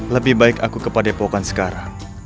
lebih baik aku kepada poh kan sekarang